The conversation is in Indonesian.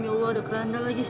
ya allah udah keranda lagi